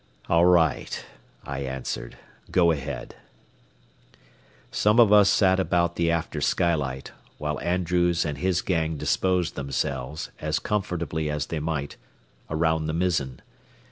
"All right," I answered; "go ahead." Some of us sat about the after skylight, while Andrews and his gang disposed themselves, as comfortably as they might, around the mizzen.